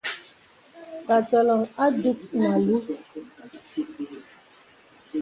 Tā tɔləŋ a dùk nə àlùù.